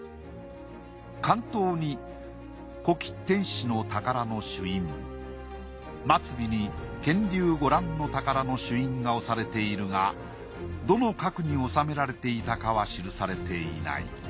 巻頭に「古稀天子之寶」の朱印末尾に「乾隆御覧之寶」の朱印が押されているがどの閣に収められていたかは記されていない。